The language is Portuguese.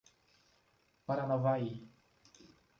Paranavaí